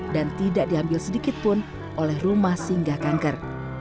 dan tidak diambil sedikit pun oleh rumah singga kanker